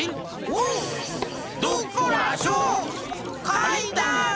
「かいだん」！